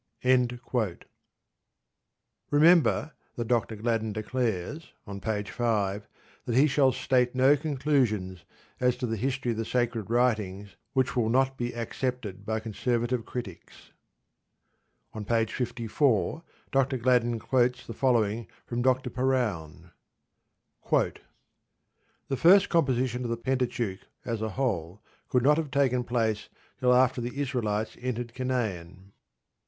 Remember that Dr. Gladden declares, on page 5, that he shall state no conclusions as to the history of the sacred writings which will not be accepted by conservative critics. On page 54 Dr. Gladden quotes the following from Dr. Perowne: The first composition of the Pentateuch as a whole could not have taken place till after the Israelites entered Canaan.